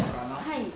はい。